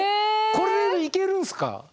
これでいけるんですか？